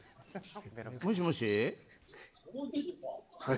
もしもし。